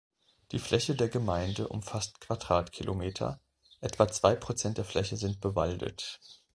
Die Fläche der Gemeinde umfasst Quadratkilometer, etwa zwei Prozent der Fläche sind bewaldet.